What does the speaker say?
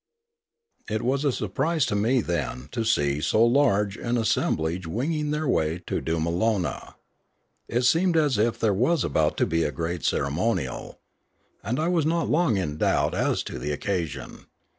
It was a surprise to me then to see so large an as semblage winging their way to Doomalona. It seemed as if there was about to be a great ceremonial. And I Death 375 was not long in doubt as to the occasion.